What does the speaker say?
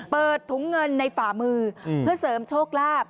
เปิดถุงเงินในฝ่ามือเพื่อเสริมโชคลาภ